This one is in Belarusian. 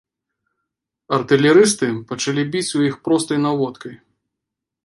Артылерысты пачалі біць у іх простай наводкай.